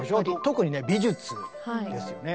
特に美術ですよね。